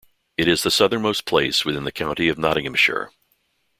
It is the southernmost place within the county of Nottinghamshire.